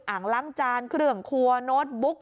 อ่างล้างจานเครื่องครัวโน้ตบุ๊ก